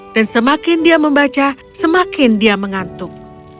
dan semakin dia membaca semakin dia mengantuk